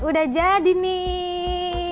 udah jadi nih